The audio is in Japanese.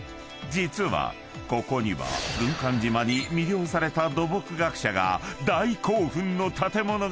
［実はここには軍艦島に魅了された土木学者が］